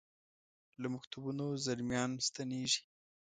له مکتبونو زلمیا ن ستنیږي